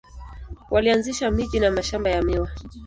Walianzisha miji na mashamba ya miwa.